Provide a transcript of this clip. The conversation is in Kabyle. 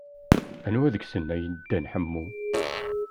Anwa deg-sen ay n Dda Ḥemmu?